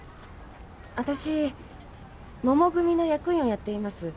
わたしもも組の役員をやっています